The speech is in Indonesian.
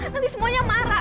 nanti semuanya marah